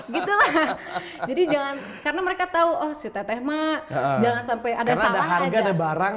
gitu ya jadi jangan karena mereka tahu oh si teteh mak jangan sampai ada salah ada barang